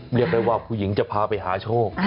เรียกได้ว่าผู้หญิงจะพาไปหาโชค